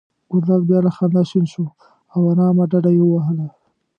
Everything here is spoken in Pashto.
ګلداد بیا له خندا شین شو او آرامه ډډه یې ووهله.